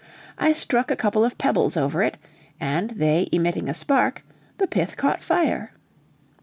I struck a couple of pebbles over it, and they emitting a spark, the pith caught fire.